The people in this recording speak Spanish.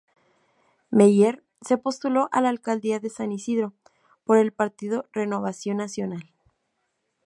Meier se postuló a la alcaldía de San Isidro por el partido Renovación Nacional.